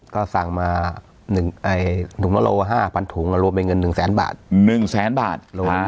ก็สั่งมา๑๐๐๐๐๐บาท